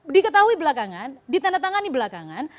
diketahui belakangan ditandatangani belakangan